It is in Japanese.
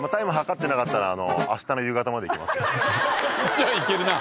じゃあいけるな。